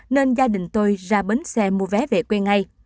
nên gia đình tôi ra bến xe mua vé về quê ngay